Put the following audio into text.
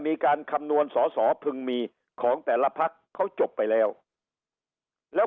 มีการคำนวณสอสอพึงมีของแต่ละพักเขาจบไปแล้วแล้ว